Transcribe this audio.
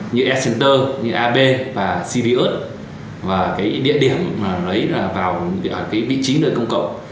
như s center như ab và cvs và cái địa điểm mà lấy vào cái vị trí nơi công cộng